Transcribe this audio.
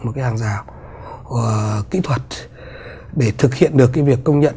một cái hàng rào kỹ thuật để thực hiện được cái việc công nhận